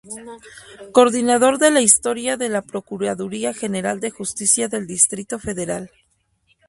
Coordinador de la Historia de la Procuraduría General de Justicia del Distrito Federal.